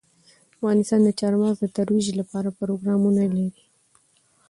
افغانستان د چار مغز د ترویج لپاره پروګرامونه لري.